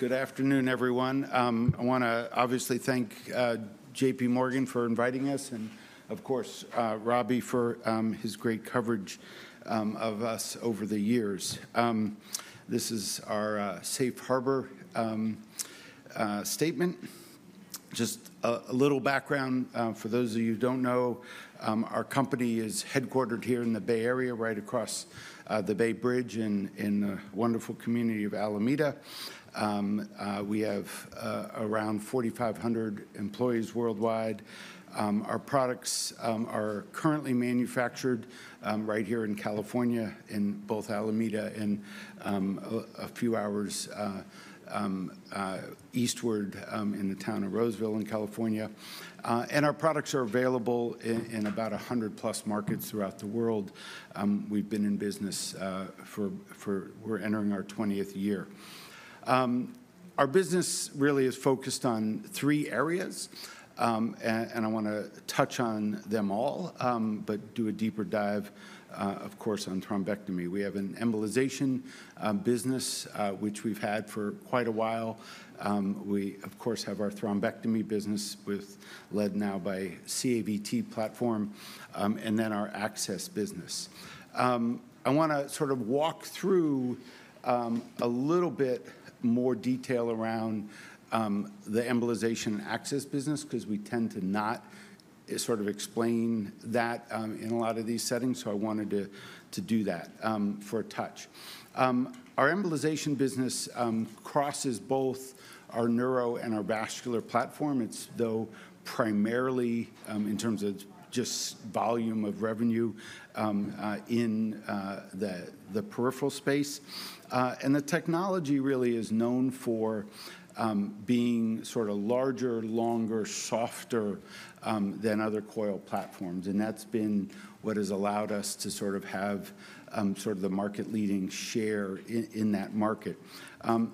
Good afternoon, everyone. I want to obviously thank J.P. Morgan for inviting us, and of course, Robbie, for his great coverage of us over the years. This is our Safe Harbor Statement. Just a little background for those of you who don't know, our company is headquartered here in the Bay Area, right across the Bay Bridge in the wonderful community of Alameda. We have around 4,500 employees worldwide. Our products are currently manufactured right here in California, in both Alameda and a few hours eastward in the town of Roseville in California. Our products are available in about 100-plus markets throughout the world. We've been in business for, we're entering our 20th year. Our business really is focused on three areas, and I want to touch on them all, but do a deeper dive, of course, on thrombectomy. We have an embolization business, which we've had for quite a while. We, of course, have our thrombectomy business, led now by CAVT platform, and then our access business. I want to sort of walk through a little bit more detail around the embolization and access business, because we tend to not sort of explain that in a lot of these settings, so I wanted to do that for a touch. Our embolization business crosses both our neuro and our vascular platform. It's, though, primarily in terms of just volume of revenue in the peripheral space, and the technology really is known for being sort of larger, longer, softer than other coil platforms, and that's been what has allowed us to sort of have sort of the market-leading share in that market.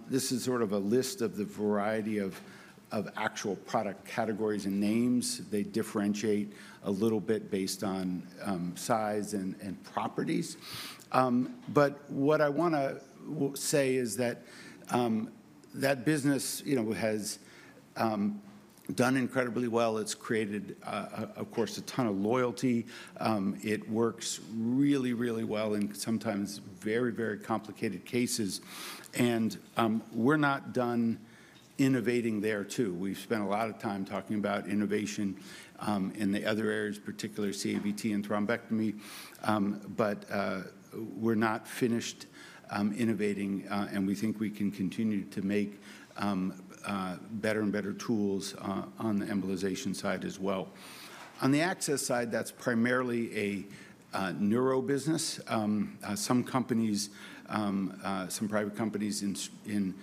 This is sort of a list of the variety of actual product categories and names. They differentiate a little bit based on size and properties. But what I want to say is that that business has done incredibly well. It's created, of course, a ton of loyalty. It works really, really well in sometimes very, very complicated cases. And we're not done innovating there, too. We've spent a lot of time talking about innovation in the other areas, particularly CAVT and thrombectomy, but we're not finished innovating, and we think we can continue to make better and better tools on the embolization side as well. On the access side, that's primarily a neuro business. Some companies, some private companies in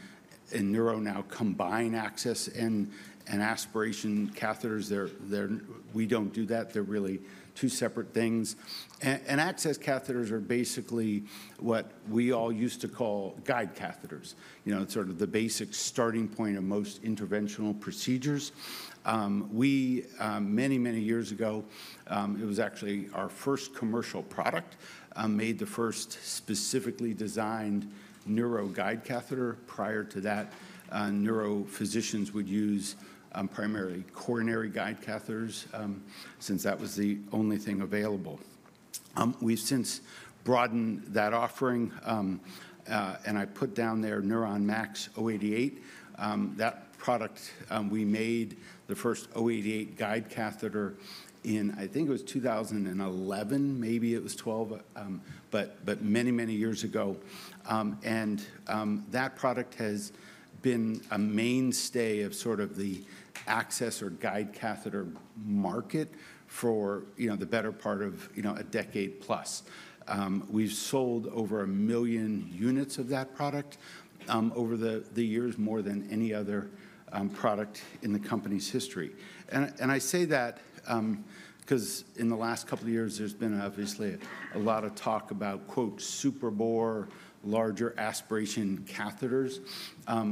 neuro now combine access and aspiration catheters. We don't do that. They're really two separate things. And access catheters are basically what we all used to call guide catheters, sort of the basic starting point of most interventional procedures. Many, many years ago, it was actually our first commercial product made the first specifically designed neuro guide catheter. Prior to that, neuro physicians would use primarily coronary guide catheters, since that was the only thing available. We've since broadened that offering, and I put down there Neuron MAX 088. That product, we made the first 088 guide catheter in, I think it was 2011, maybe it was 2012, but many, many years ago. And that product has been a mainstay of sort of the access or guide catheter market for the better part of a decade-plus. We've sold over a million units of that product over the years, more than any other product in the company's history. And I say that because in the last couple of years, there's been obviously a lot of talk about, "superbore," larger aspiration catheters,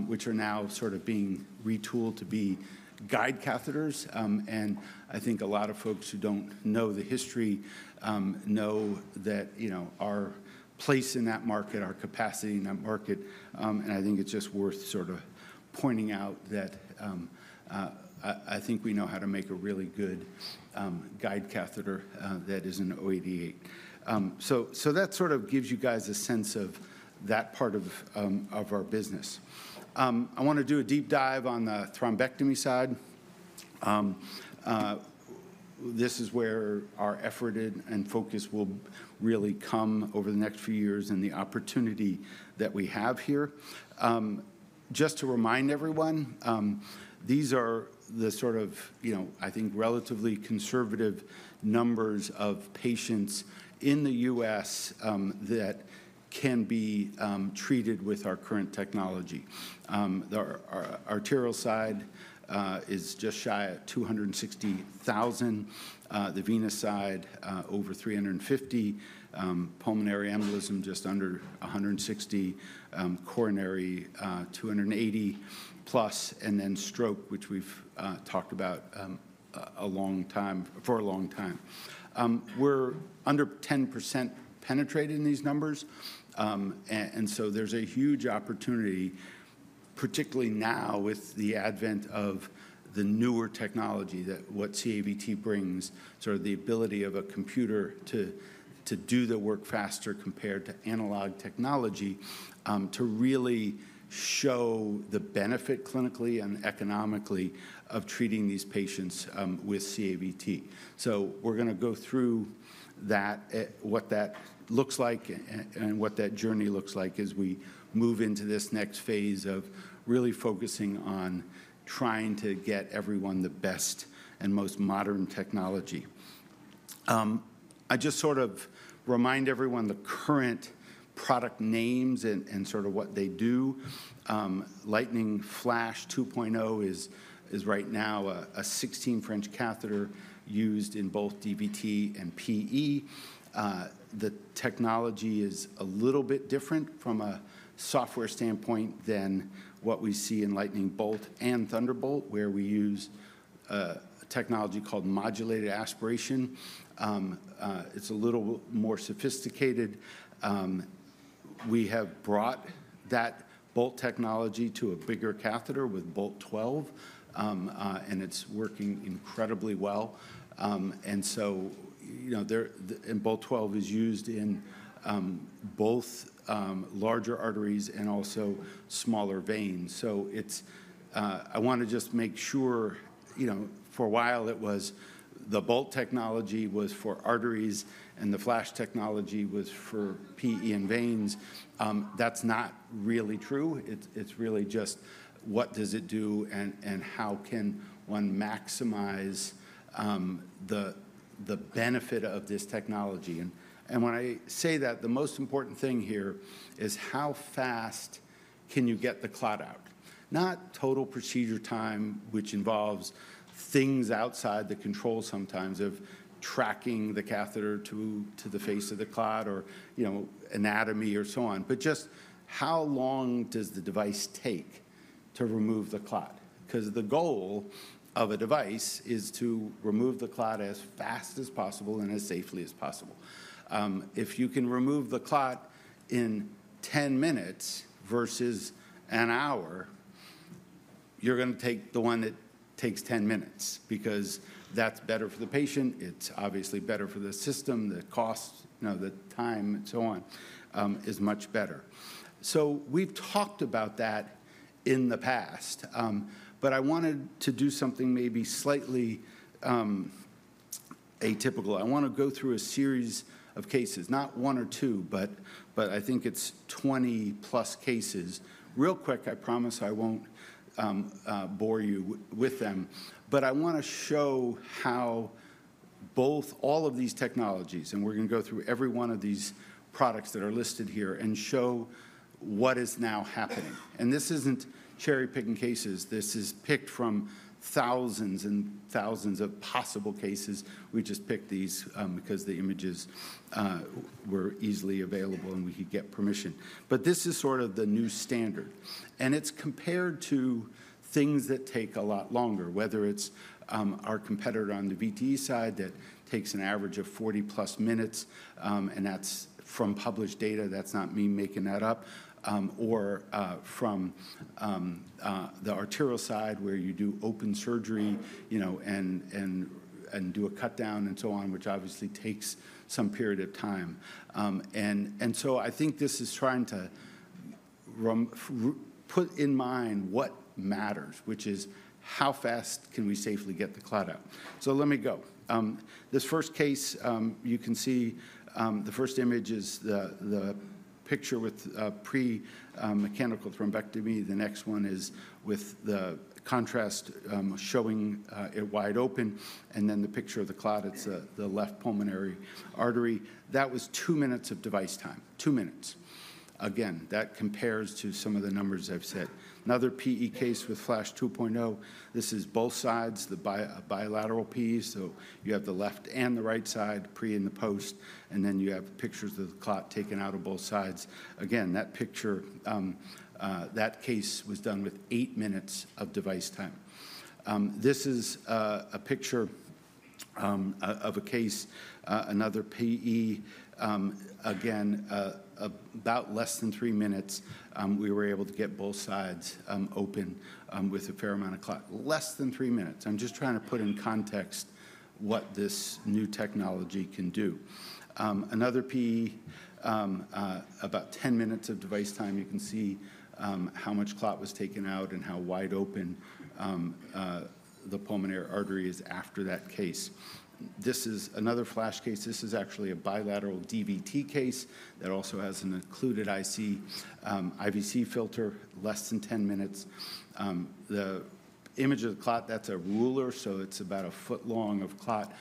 which are now sort of being retooled to be guide catheters. And I think a lot of folks who don't know the history know that our place in that market, our capacity in that market, and I think it's just worth sort of pointing out that I think we know how to make a really good guide catheter that isn't 088. So that sort of gives you guys a sense of that part of our business. I want to do a deep dive on the thrombectomy side. This is where our effort and focus will really come over the next few years and the opportunity that we have here. Just to remind everyone, these are the sort of, I think, relatively conservative numbers of patients in the U.S. that can be treated with our current technology. The arterial side is just shy of 260,000. The venous side, over 350. Pulmonary embolism, just under 160. Coronary, 280-plus. And then stroke, which we've talked about for a long time. We're under 10% penetrated in these numbers, and so there's a huge opportunity, particularly now with the advent of the newer technology, that what CAVT brings, sort of the ability of a computer to do the work faster compared to analog technology, to really show the benefit clinically and economically of treating these patients with CAVT. So we're going to go through that, what that looks like and what that journey looks like as we move into this next phase of really focusing on trying to get everyone the best and most modern technology. I just sort of remind everyone the current product names and sort of what they do. Lightning Flash 2.0 is right now a 16-French catheter used in both DVT and PE. The technology is a little bit different from a software standpoint than what we see in Lightning Bolt and Thunderbolt, where we use technology called modulated aspiration. It's a little more sophisticated. We have brought that Bolt technology to a bigger catheter with Bolt 12, and it's working incredibly well. And so Bolt 12 is used in both larger arteries and also smaller veins. I want to just make sure [that] for a while it was [thought that] the Lightning Bolt technology was for arteries and the Lightning Flash technology was for PE and veins. That's not really true. It's really just what does it do and how can one maximize the benefit of this technology. When I say that, the most important thing here is how fast can you get the clot out? Not total procedure time, which involves things outside the control sometimes of tracking the catheter to the face of the clot or anatomy or so on, but just how long does the device take to remove the clot? Because the goal of a device is to remove the clot as fast as possible and as safely as possible. If you can remove the clot in 10 minutes versus an hour, you're going to take the one that takes 10 minutes, because that's better for the patient. It's obviously better for the system. The cost, the time, and so on is much better. So we've talked about that in the past, but I wanted to do something maybe slightly atypical. I want to go through a series of cases, not one or two, but I think it's 20-plus cases. Real quick, I promise I won't bore you with them, but I want to show how both all of these technologies, and we're going to go through every one of these products that are listed here, and show what is now happening, and this isn't cherry-picking cases. This is picked from thousands and thousands of possible cases. We just picked these because the images were easily available and we could get permission. This is sort of the new standard. It's compared to things that take a lot longer, whether it's our competitor on the VTE side that takes an average of 40-plus minutes, and that's from published data. That's not me making that up or from the arterial side, where you do open surgery and do a cutdown and so on, which obviously takes some period of time. I think this is trying to put in mind what matters, which is how fast can we safely get the clot out. Let me go. This first case, you can see the first image is the picture with pre-mechanical thrombectomy. The next one is with the contrast showing it wide open, and then the picture of the clot at the left pulmonary artery. That was two minutes of device time, two minutes. Again, that compares to some of the numbers I've said. Another PE case with Lightning Flash 2.0. This is both sides, the bilateral PE, so you have the left and the right side, pre and the post, and then you have pictures of the clot taken out of both sides. Again, that picture, that case was done with eight minutes of device time. This is a picture of a case, another PE, again, about less than three minutes. We were able to get both sides open with a fair amount of clot. Less than three minutes. I'm just trying to put in context what this new technology can do. Another PE, about 10 minutes of device time. You can see how much clot was taken out and how wide open the pulmonary artery is after that case. This is another Lightning Flash case. This is actually a bilateral DVT case that also has an occluded IVC filter, less than 10 minutes. The image of the clot, that's a ruler, so it's about a foot long of clot,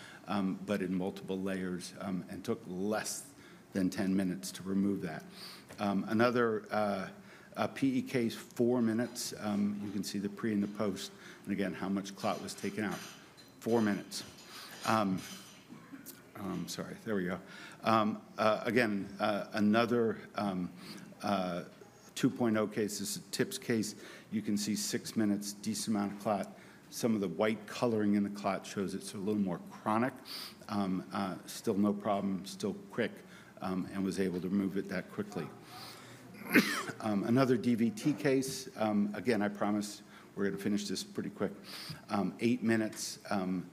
but in multiple layers, and took less than 10 minutes to remove that. Another PE case, four minutes. You can see the pre and the post, and again, how much clot was taken out. Four minutes. Sorry, there we go. Again, another 2.0 case is a TIPS case. You can see six minutes, decent amount of clot. Some of the white coloring in the clot shows it's a little more chronic. Still no problem, still quick, and was able to remove it that quickly. Another DVT case. Again, I promise we're going to finish this pretty quick. Eight minutes.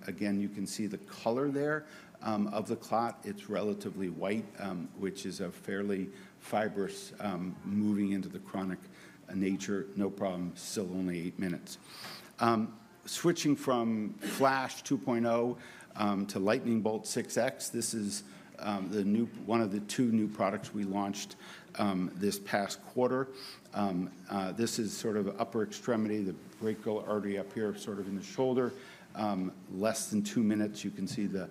Again, you can see the color there of the clot. It's relatively white, which is a fairly fibrous moving into the chronic nature. No problem, still only eight minutes. Switching from Lightning Flash 2.0 to Lightning Bolt 6X, this is one of the two new products we launched this past quarter. This is sort of upper extremity, the brachial artery up here sort of in the shoulder. Less than two minutes. You can see the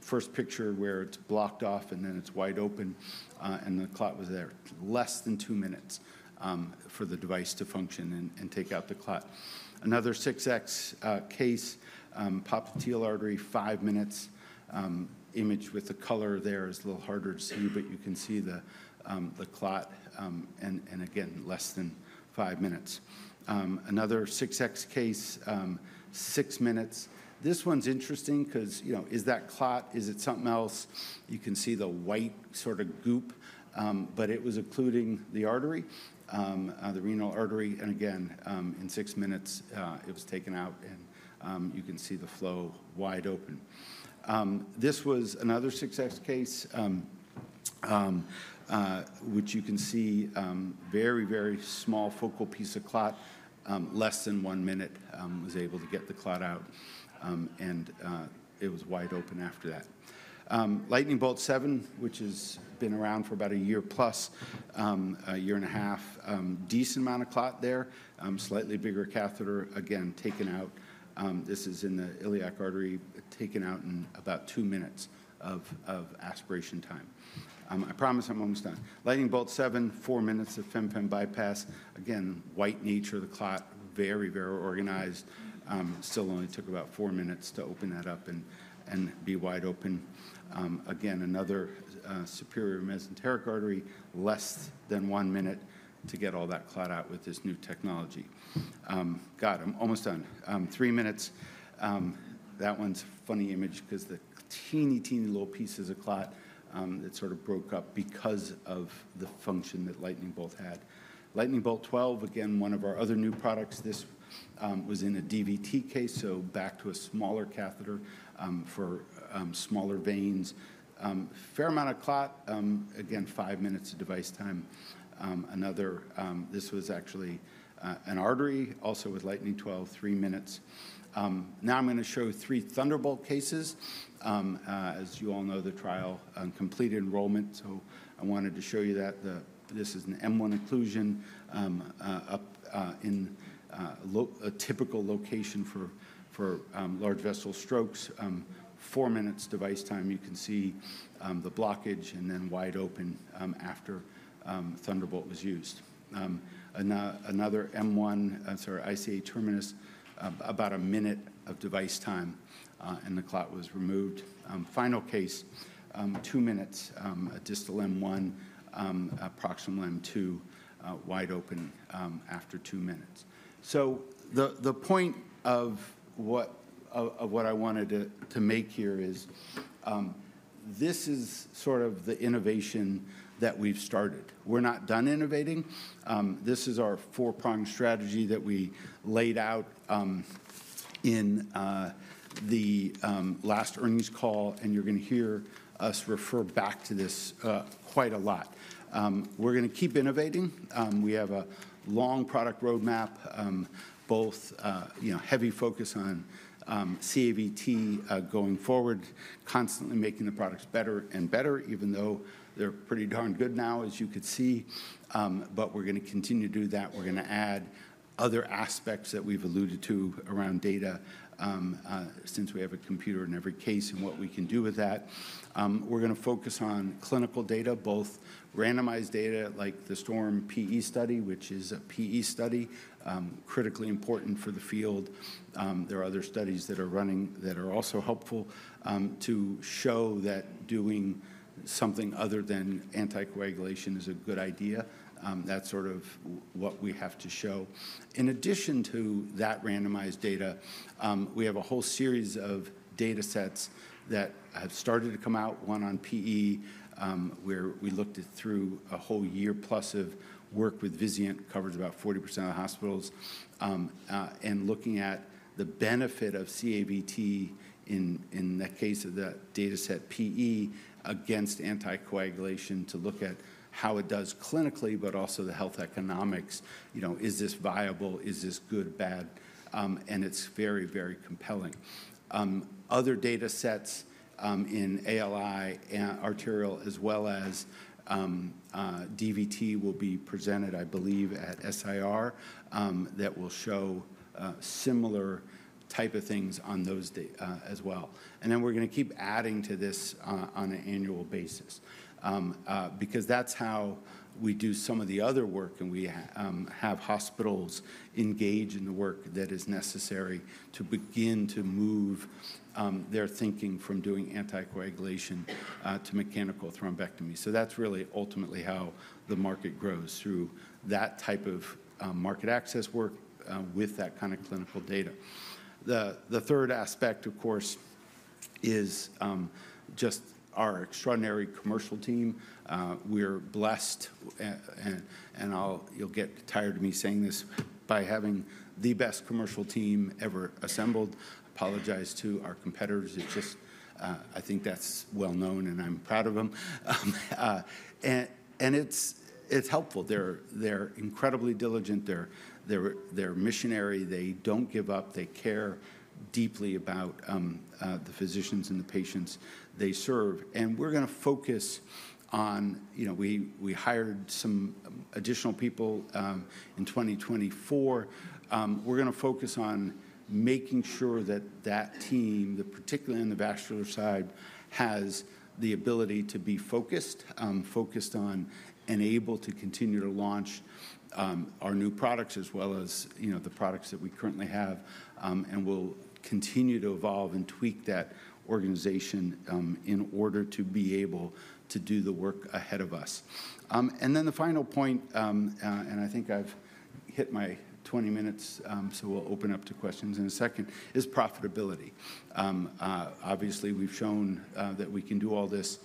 first picture where it's blocked off and then it's wide open, and the clot was there. Less than two minutes for the device to function and take out the clot. Another 6X case, popliteal artery, five minutes. Image with the color there is a little harder to see, but you can see the clot, and again, less than five minutes. Another 6X case, six minutes. This one's interesting because is that clot, is it something else? You can see the white sort of goop, but it was occluding the artery, the renal artery, and again, in six minutes, it was taken out, and you can see the flow wide open. This was another 6X case, which you can see very, very small focal piece of clot, less than one minute was able to get the clot out, and it was wide open after that. Lightning Bolt 7, which has been around for about a year-plus, a year and a half, decent amount of clot there, slightly bigger catheter, again, taken out. This is in the iliac artery, taken out in about two minutes of aspiration time. I promise I'm almost done. Lightning Bolt 7, four minutes of fem-pop bypass. Again, white nature of the clot, very, very organized. Still only took about four minutes to open that up and be wide open. Again, another superior mesenteric artery, less than one minute to get all that clot out with this new technology. God, I'm almost done. Three minutes. That one's a funny image because the teeny, teeny little pieces of clot that sort of broke up because of the function that Lightning Bolt had. Lightning Bolt 12, again, one of our other new products. This was in a DVT case, so back to a smaller catheter for smaller veins. Fair amount of clot, again, five minutes of device time. This was actually an artery, also with Lightning 12, three minutes. Now I'm going to show three Thunderbolt cases. As you all know, the trial completed enrollment, so I wanted to show you that. This is an M1 occlusion up in a typical location for large vessel strokes. Four minutes device time. You can see the blockage and then wide open after Thunderbolt was used. Another M1, sorry, ICA terminus, about a minute of device time, and the clot was removed. Final case, two minutes, distal M1, proximal M2, wide open after two minutes. So the point of what I wanted to make here is this is sort of the innovation that we've started. We're not done innovating. This is our four-pronged strategy that we laid out in the last earnings call, and you're going to hear us refer back to this quite a lot. We're going to keep innovating. We have a long product roadmap, both heavy focus on CAVT going forward, constantly making the products better and better, even though they're pretty darn good now, as you could see. But we're going to continue to do that. We're going to add other aspects that we've alluded to around data since we have a computer in every case and what we can do with that. We're going to focus on clinical data, both randomized data like the STORM-PE study, which is a PE study, critically important for the field. There are other studies that are running that are also helpful to show that doing something other than anticoagulation is a good idea. That's sort of what we have to show. In addition to that randomized data, we have a whole series of data sets that have started to come out, one on PE, where we looked through a whole year-plus of work with Vizient, covered about 40% of the hospitals, and looking at the benefit of CAVT in that case of that data set PE against anticoagulation to look at how it does clinically, but also the health economics. Is this viable? Is this good, bad? And it's very, very compelling. Other data sets in ALI, arterial, as well as DVT will be presented, I believe, at SIR that will show similar type of things on those as well. Then we're going to keep adding to this on an annual basis because that's how we do some of the other work, and we have hospitals engage in the work that is necessary to begin to move their thinking from doing anticoagulation to mechanical thrombectomy. So that's really ultimately how the market grows through that type of market access work with that kind of clinical data. The third aspect, of course, is just our extraordinary commercial team. We're blessed, and you'll get tired of me saying this, by having the best commercial team ever assembled. Apologize to our competitors. I think that's well known, and I'm proud of them. And it's helpful. They're incredibly diligent. They're missionary. They don't give up. They care deeply about the physicians and the patients they serve. And we're going to focus on we hired some additional people in 2024. We're going to focus on making sure that that team, particularly on the vascular side, has the ability to be focused, focused on, and able to continue to launch our new products as well as the products that we currently have, and will continue to evolve and tweak that organization in order to be able to do the work ahead of us, and then the final point, and I think I've hit my 20 minutes, so we'll open up to questions in a second, is profitability. Obviously, we've shown that we can do all this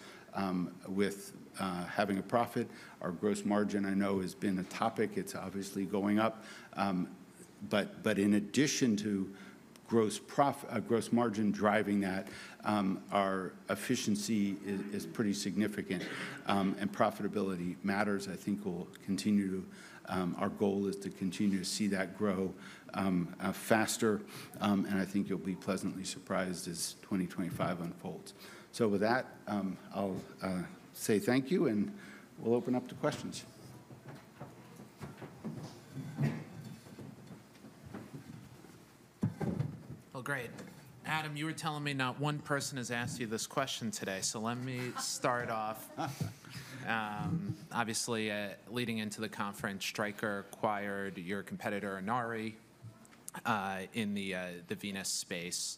with having a profit. Our gross margin, I know, has been a topic. It's obviously going up, but in addition to gross margin driving that, our efficiency is pretty significant, and profitability matters. I think we'll continue to our goal is to continue to see that grow faster, and I think you'll be pleasantly surprised as 2025 unfolds. So with that, I'll say thank you, and we'll open up to questions. Well, great. Adam, you were telling me not one person has asked you this question today, so let me start off. Obviously, leading into the conference, Stryker acquired your competitor, Inari, in the venous space.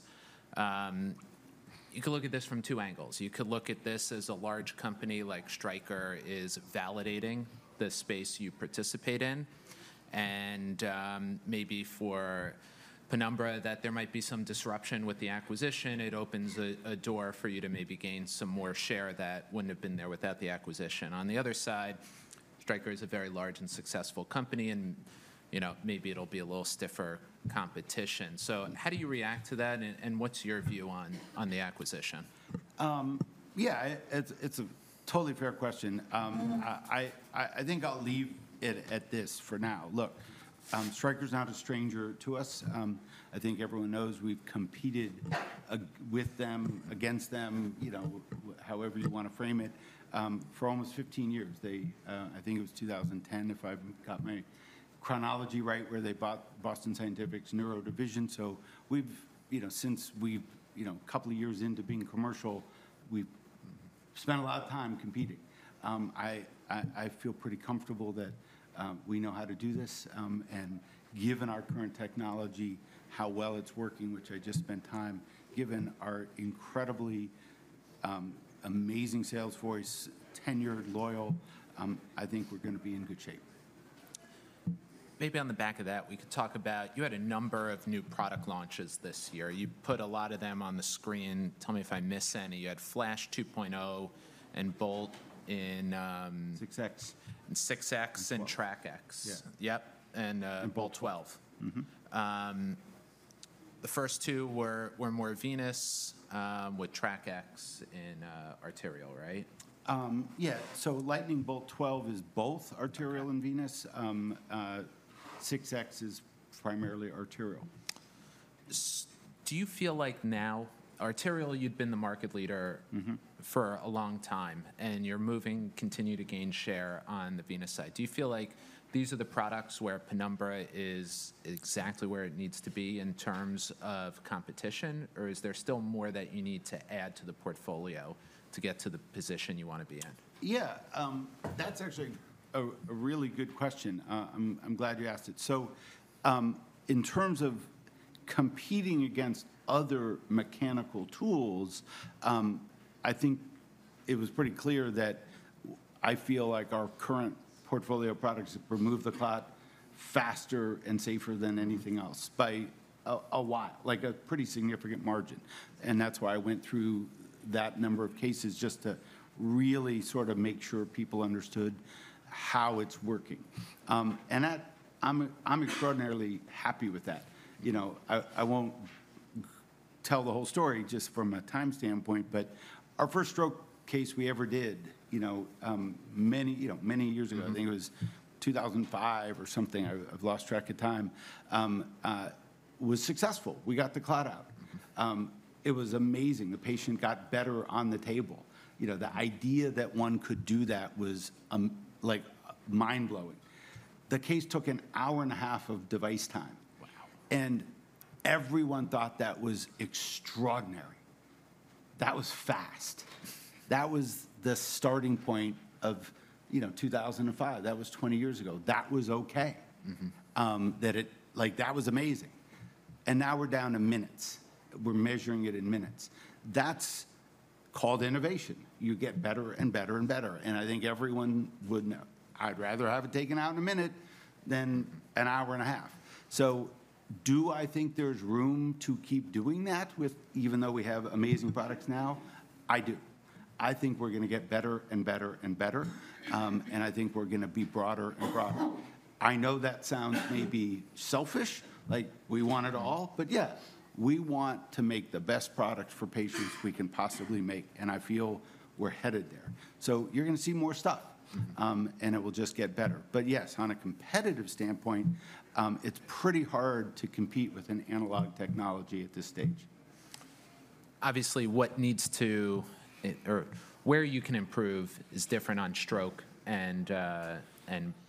You can look at this from two angles. You could look at this as a large company like Stryker is validating the space you participate in. And maybe for Penumbra, that there might be some disruption with the acquisition, it opens a door for you to maybe gain some more share that wouldn't have been there without the acquisition. On the other side, Stryker is a very large and successful company, and maybe it'll be a little stiffer competition. So how do you react to that, and what's your view on the acquisition? Yeah, it's a totally fair question. I think I'll leave it at this for now. Look, Stryker's not a stranger to us. I think everyone knows we've competed with them, against them, however you want to frame it, for almost 15 years. I think it was 2010, if I've got my chronology right, where they bought Boston Scientific's neuro division. So since we're a couple of years into being commercial, we've spent a lot of time competing. I feel pretty comfortable that we know how to do this, and given our current technology, how well it's working, which I just spent time, given our incredibly amazing sales force, tenured, loyal, I think we're going to be in good shape. Maybe on the back of that, we could talk about you had a number of new product launches this year. You put a lot of them on the screen. Tell me if I missed any. You had Flash 2.0 and Bolt 7. 6X. 6X and Track X. Yeah. Yep, and Bolt 12. The first two were more venous with 6X in arterial, right? Yeah, so Lightning Bolt 12 is both arterial and venous. 6X is primarily arterial. Do you feel like now, arterial, you'd been the market leader for a long time, and you're moving, continue to gain share on the venous side? Do you feel like these are the products where Penumbra is exactly where it needs to be in terms of competition, or is there still more that you need to add to the portfolio to get to the position you want to be in? Yeah, that's actually a really good question. I'm glad you asked it. So in terms of competing against other mechanical tools, I think it was pretty clear that I feel like our current portfolio products have removed the clot faster and safer than anything else by a mile, like a pretty significant margin. And that's why I went through that number of cases just to really sort of make sure people understood how it's working. And I'm extraordinarily happy with that. I won't tell the whole story just from a time standpoint, but our first stroke case we ever did many years ago, I think it was 2005 or something, I've lost track of time, was successful. We got the clot out. It was amazing. The patient got better on the table. The idea that one could do that was mind-blowing. The case took an hour and a half of device time. Wow. Everyone thought that was extraordinary. That was fast. That was the starting point of 2005. That was 20 years ago. That was okay. That was amazing. Now we're down to minutes. We're measuring it in minutes. That's called innovation. You get better and better and better. I think everyone would know. I'd rather have it taken out in a minute than an hour and a half. So do I think there's room to keep doing that with even though we have amazing products now? I do. I think we're going to get better and better and better. I think we're going to be broader and broader. I know that sounds maybe selfish, like we want it all, but yeah, we want to make the best product for patients we can possibly make, and I feel we're headed there. So you're going to see more stuff, and it will just get better. But yes, on a competitive standpoint, it's pretty hard to compete with an analog technology at this stage. Obviously, what needs to or where you can improve is different on stroke and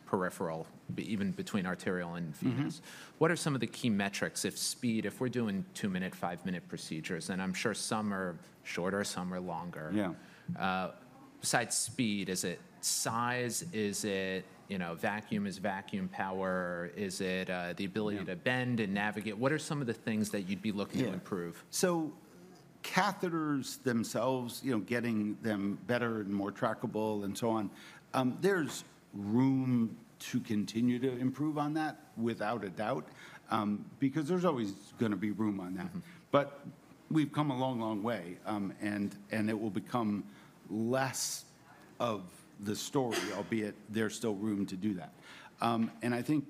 peripheral, even between arterial and venous. What are some of the key metrics? If speed, if we're doing two-minute, five-minute procedures, and I'm sure some are shorter, some are longer. Yeah. Besides speed, is it size? Is it vacuum? Is vacuum power? Is it the ability to bend and navigate? What are some of the things that you'd be looking to improve? Yeah, so catheters themselves, getting them better and more trackable and so on, there's room to continue to improve on that, without a doubt, because there's always going to be room on that. But we've come a long, long way, and it will become less of the story, albeit there's still room to do that. And I think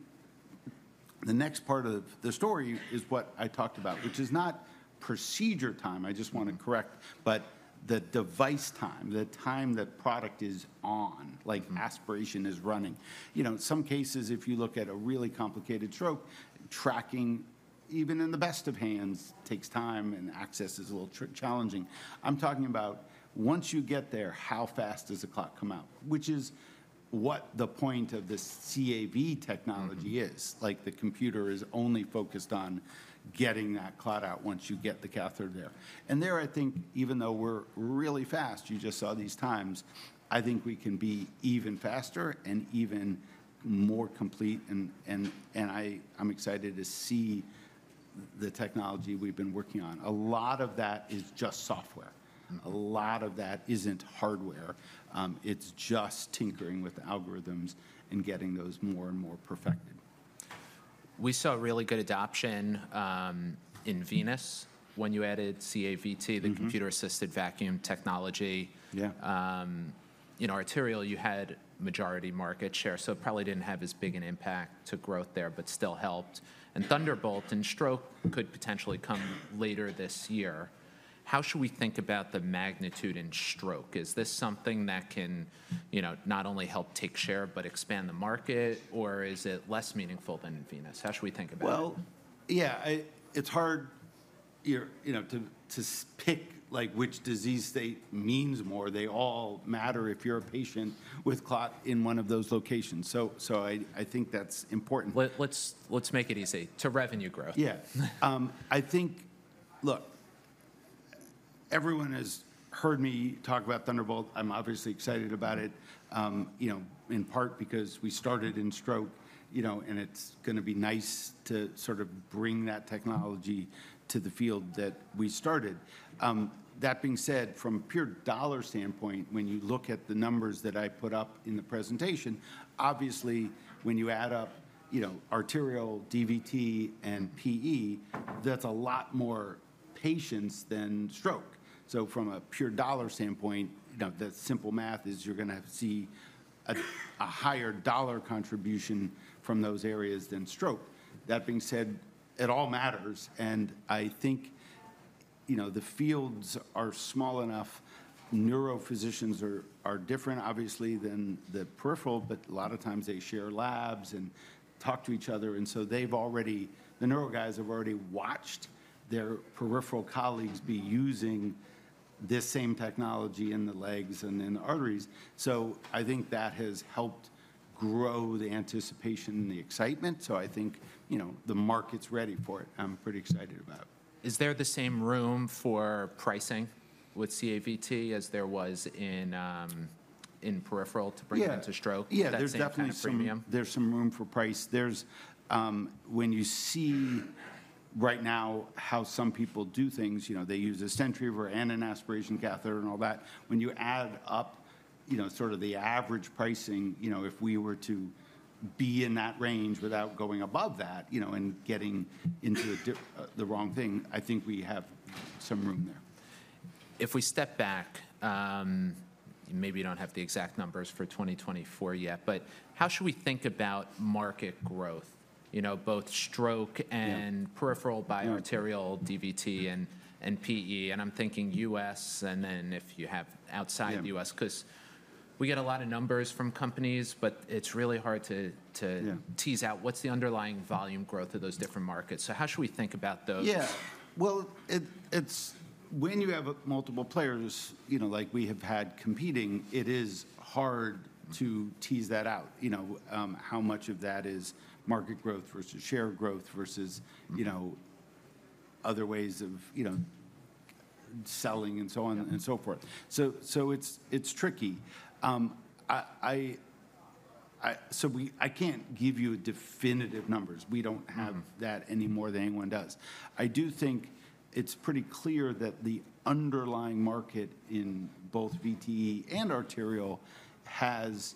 the next part of the story is what I talked about, which is not procedure time. I just want to correct, but the device time, the time that product is on, like aspiration is running. In some cases, if you look at a really complicated stroke, tracking, even in the best of hands, takes time and access is a little challenging. I'm talking about once you get there, how fast does the clot come out, which is what the point of the CAVT technology is. The computer is only focused on getting that clot out once you get the catheter there. And there, I think, even though we're really fast, you just saw these times, I think we can be even faster and even more complete. And I'm excited to see the technology we've been working on. A lot of that is just software. A lot of that isn't hardware. It's just tinkering with algorithms and getting those more and more perfected. We saw really good adoption in venous when you added CAVT, the computer-assisted vacuum technology. Yeah. In arterial, you had majority market share, so it probably didn't have as big an impact to growth there, but still helped, and Thunderbolt and stroke could potentially come later this year. How should we think about the magnitude in stroke? Is this something that can not only help take share, but expand the market, or is it less meaningful than venous? How should we think about it? Yeah, it's hard to pick which disease state means more. They all matter if you're a patient with clot in one of those locations. So I think that's important. Let's make it easy to revenue growth. Yeah. I think, look, everyone has heard me talk about Thunderbolt. I'm obviously excited about it, in part because we started in stroke, and it's going to be nice to sort of bring that technology to the field that we started. That being said, from a pure dollar standpoint, when you look at the numbers that I put up in the presentation, obviously, when you add up arterial, DVT, and PE, that's a lot more patients than stroke. So from a pure dollar standpoint, the simple math is you're going to see a higher dollar contribution from those areas than stroke. That being said, it all matters. And I think the fields are small enough. Neurophysicians are different, obviously, than the peripheral, but a lot of times they share labs and talk to each other. The neuro guys have already watched their peripheral colleagues be using this same technology in the legs and in the arteries. I think that has helped grow the anticipation and the excitement. I think the market's ready for it. I'm pretty excited about it. Is there the same room for pricing with CAVT as there was in peripheral to bring it into stroke? Yeah, there's definitely some room for price. When you see right now how some people do things, they use a centrifuge and an aspiration catheter and all that. When you add up sort of the average pricing, if we were to be in that range without going above that and getting into the wrong thing, I think we have some room there. If we step back, maybe you don't have the exact numbers for 2024 yet, but how should we think about market growth, both stroke and peripheral by arterial, DVT, and PE, and I'm thinking U.S., and then if you have outside the U.S., because we get a lot of numbers from companies, but it's really hard to tease out what's the underlying volume growth of those different markets, so how should we think about those? Yeah, well, when you have multiple players like we have had competing, it is hard to tease that out, how much of that is market growth versus share growth versus other ways of selling and so on and so forth. So it's tricky. So I can't give you definitive numbers. We don't have that any more than anyone does. I do think it's pretty clear that the underlying market in both VTE and arterial has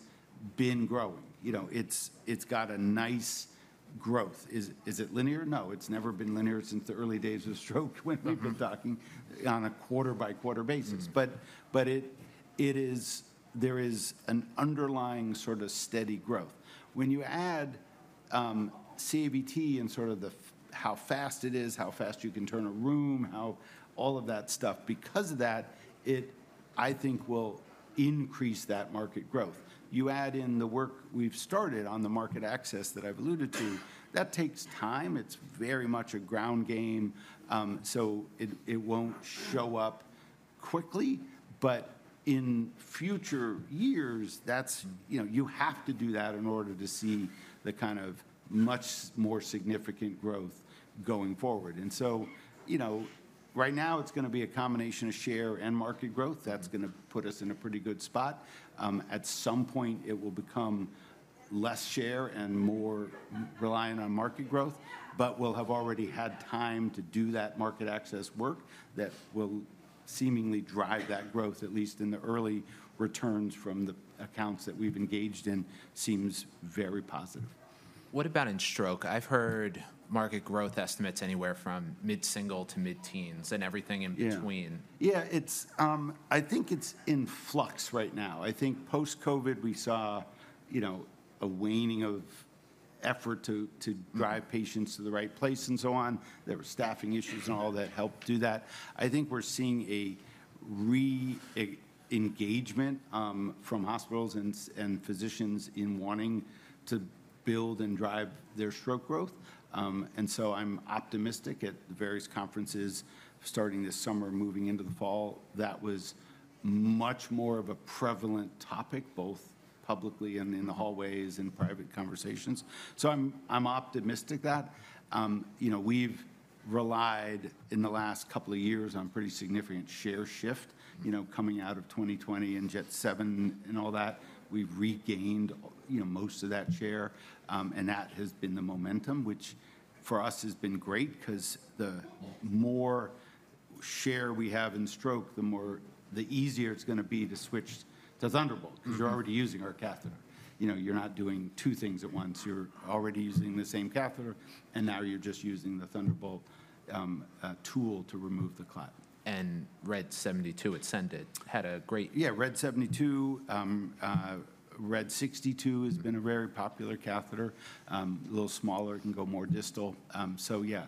been growing. It's got a nice growth. Is it linear? No, it's never been linear since the early days of stroke when we've been talking on a quarter-by-quarter basis. But there is an underlying sort of steady growth. When you add CAVT and sort of how fast it is, how fast you can turn a room, all of that stuff, because of that, I think will increase that market growth. You add in the work we've started on the market access that I've alluded to, that takes time. It's very much a ground game. So it won't show up quickly. But in future years, you have to do that in order to see the kind of much more significant growth going forward. And so right now, it's going to be a combination of share and market growth. That's going to put us in a pretty good spot. At some point, it will become less share and more reliant on market growth. But we'll have already had time to do that market access work that will seemingly drive that growth, at least in the early returns from the accounts that we've engaged in, seems very positive. What about in stroke? I've heard market growth estimates anywhere from mid-single to mid-teens and everything in between. Yeah, I think it's in flux right now. I think post-COVID, we saw a waning of effort to drive patients to the right place and so on. There were staffing issues and all that helped do that. I think we're seeing a re-engagement from hospitals and physicians in wanting to build and drive their stroke growth, and so I'm optimistic at the various conferences starting this summer, moving into the fall. That was much more of a prevalent topic, both publicly and in the hallways and private conversations. So I'm optimistic that. We've relied in the last couple of years on pretty significant share shift coming out of 2020 and JET 7 and all that. We've regained most of that share. And that has been the momentum, which for us has been great because the more share we have in stroke, the easier it's going to be to switch to Thunderbolt because you're already using our catheter. You're not doing two things at once. You're already using the same catheter, and now you're just using the Thunderbolt tool to remove the clot. RED 72, it's excellent. Had a great. RED 72, RED 62 has been a very popular catheter. A little smaller, it can go more distal. So yeah,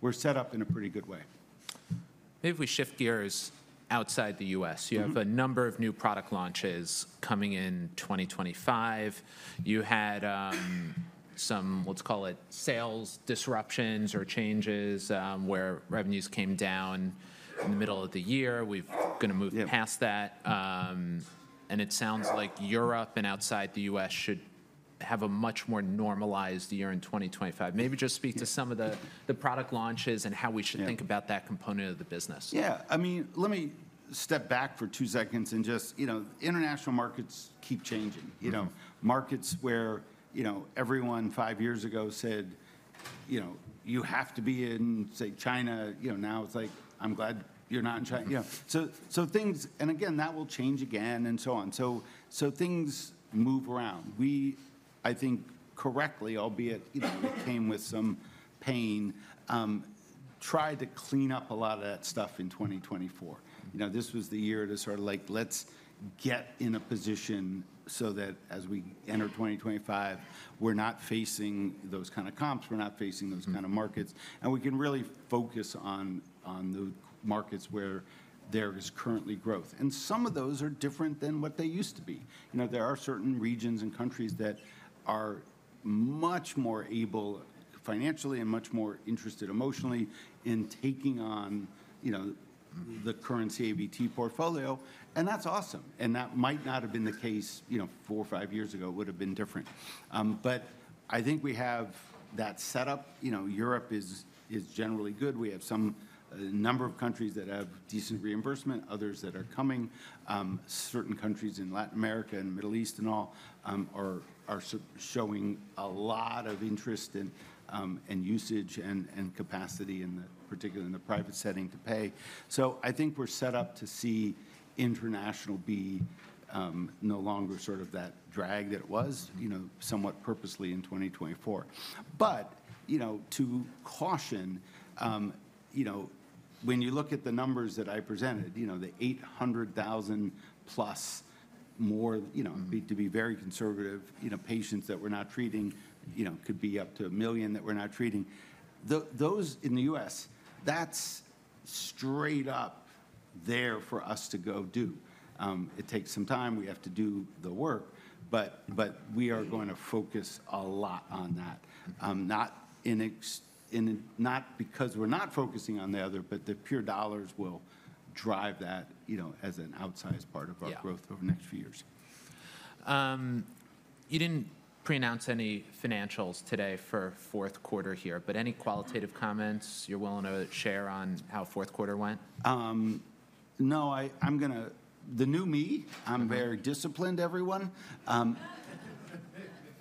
we're set up in a pretty good way. Maybe if we shift gears outside the U.S., you have a number of new product launches coming in 2025. You had some, let's call it sales disruptions or changes where revenues came down in the middle of the year. We're going to move past that. And it sounds like Europe and outside the U.S. should have a much more normalized year in 2025. Maybe just speak to some of the product launches and how we should think about that component of the business. Yeah, I mean, let me step back for two seconds, and just international markets keep changing. Markets where everyone five years ago said, "You have to be in, say, China." Now it's like, "I'm glad you're not in China." And again, that will change again and so on. So things move around. We, I think correctly, albeit it came with some pain, tried to clean up a lot of that stuff in 2024. This was the year to sort of like, "Let's get in a position so that as we enter 2025, we're not facing those kind of comps, we're not facing those kind of markets, and we can really focus on the markets where there is currently growth." And some of those are different than what they used to be. There are certain regions and countries that are much more able financially and much more interested emotionally in taking on the current CAVT portfolio. And that's awesome. And that might not have been the case four or five years ago. It would have been different. But I think we have that setup. Europe is generally good. We have some number of countries that have decent reimbursement, others that are coming. Certain countries in Latin America and Middle East and all are showing a lot of interest and usage and capacity, particularly in the private setting to pay. So I think we're set up to see international be no longer sort of that drag that it was somewhat purposely in 2024. But to caution, when you look at the numbers that I presented, the 800,000 plus more, to be very conservative, patients that we're not treating could be up to a million that we're not treating. Those in the U.S., that's straight up there for us to go do. It takes some time. We have to do the work. But we are going to focus a lot on that. Not because we're not focusing on the other, but the pure dollars will drive that as an outsized part of our growth over the next few years. You didn't pre-announce any financials today for fourth quarter here, but any qualitative comments you're willing to share on how fourth quarter went? No, I'm going to the new me. I'm very disciplined, everyone.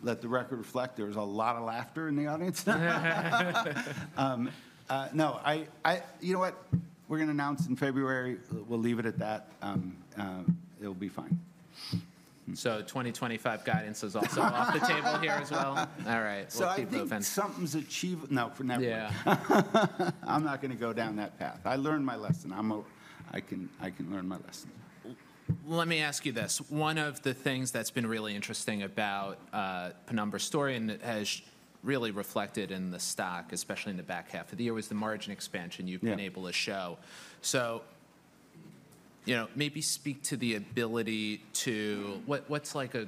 Let the record reflect, there was a lot of laughter in the audience. No, you know what? We're going to announce in February. We'll leave it at that. It'll be fine. So 2025 guidance is also off the table here as well. All right. So I think something's achievable. No, for network. I'm not going to go down that path. I learned my lesson. I can learn my lesson. Let me ask you this. One of the things that's been really interesting about Penumbra's story and that has really reflected in the stock, especially in the back half of the year, was the margin expansion you've been able to show. So maybe speak to the ability to what's like a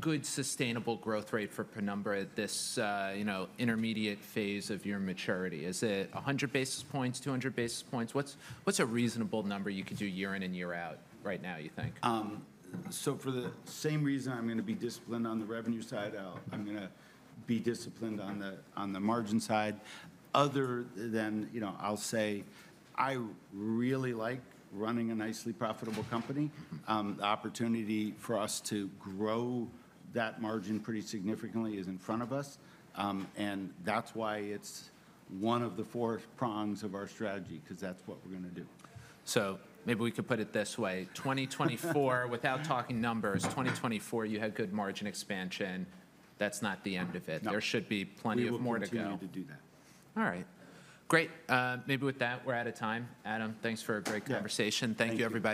good sustainable growth rate for Penumbra at this intermediate phase of your maturity? Is it 100 basis points, 200 basis points? What's a reasonable number you could do year in and year out right now, you think? So for the same reason I'm going to be disciplined on the revenue side, I'm going to be disciplined on the margin side. Other than I'll say I really like running a nicely profitable company. The opportunity for us to grow that margin pretty significantly is in front of us. And that's why it's one of the four prongs of our strategy because that's what we're going to do. Maybe we could put it this way. 2024, without talking numbers, 2024, you had good margin expansion. That's not the end of it. There should be plenty of more to go. We have a continuity to do that. All right. Great. Maybe with that, we're out of time. Adam, thanks for a great conversation. Thank you, everyone.